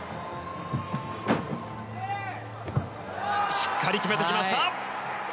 しっかり決めてきました。